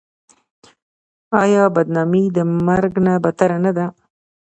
آیا بدنامي د مرګ نه بدتره نه ده؟